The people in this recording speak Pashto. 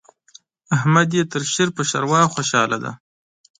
احمد يې تر شير په شېروا خوشاله دی.